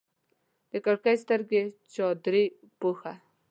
د کړکۍ سترګې چادرې پوښه